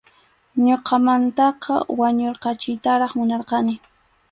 Ñuqamantaqa wañurqachiytaraq munarqani.